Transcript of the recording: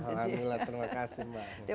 alhamdulillah terima kasih mbak